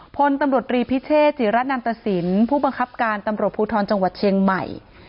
พลตำรวจรีพิเชษจิระนันตสินผู้บังคับการตำรวจภูทรจังหวัดเชียงใหม่